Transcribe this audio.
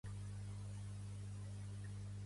Si no t'agraden les frases no perdis el temps aqui